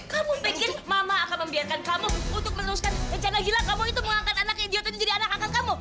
kamu pikir mama akan membiarkan kamu untuk meneruskan rencana gila kamu itu mengangkat anak yang giatnya jadi anak angkat kamu